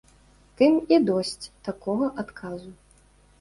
Тым і досць такога адказу.